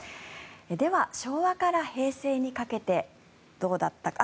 では、昭和から平成にかけてどうだったか。